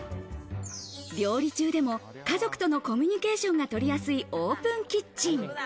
料理中でも家族とのコミュニケーションが取りやすいオープンキッチン。